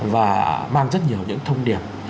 và mang rất nhiều những thông điệp